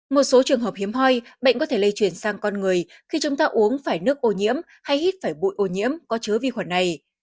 một số trường hợp hiếm hoi bệnh có thể lây chuyển sang con người khi chúng ta uống phải nước ô nhiễm hay hít phải bụi ô nhiễm có chứa vi khuẩn này